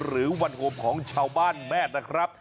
หรือวันโฮมของชาวบ้านแมทนะครับ